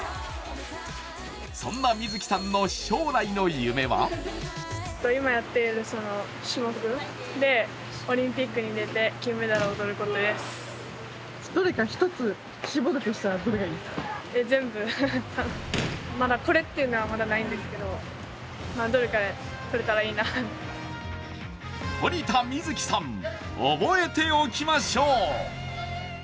そんなみず希さんの将来の夢は堀田みず希さん、覚えておきましょう！